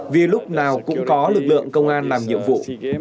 vì lúc nào cũng có lực lượng công an làm nhiệm vụ